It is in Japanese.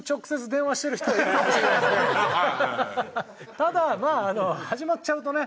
ただ始まっちゃうとね